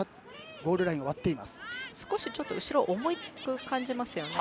少し後ろが重く感じますね。